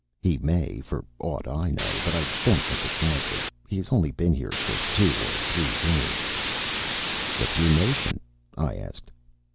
"He may, for aught I know, but I don't think it's likely. He has only been here two or three days." "What's your notion?" I asked.